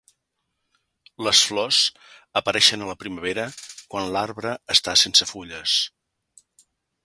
Les flors apareixen a la primavera quan l'arbre està sense fulles.